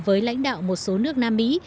với lãnh đạo một số nước nam mỹ